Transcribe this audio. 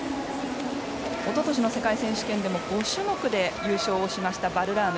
おととしの世界選手権でも５種目で優勝しましたバルラーム。